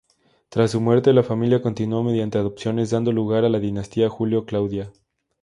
Tras su muerte, la familia continuó mediante adopciones dando lugar a la dinastía Julio-Claudia.